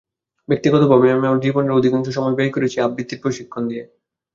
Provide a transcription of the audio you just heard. ব্যক্তিগতভাবে আমি আমার জীবনের অধিকাংশ সময় ব্যয় করেছি আবৃত্তির প্রশিক্ষণ দিয়ে।